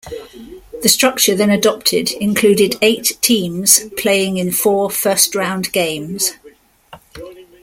The structure then adopted included eight teams playing in four first round games.